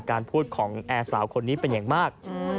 การพูดของแอร์สาวคนนี้เป็นอย่างมาก